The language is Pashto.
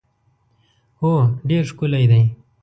هو ډېر ښکلی دی.